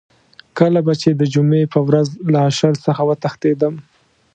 کله به چې د جمعې په ورځ له اشر څخه وتښتېدم.